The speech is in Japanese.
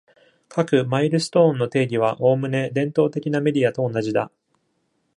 各マイルストーンの定義は、おおむね、伝統的なメディアと同じだ。